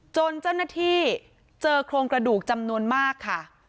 จนเจ้าหน้าที่เจอโครงกระดูกจำนวนมากค่ะ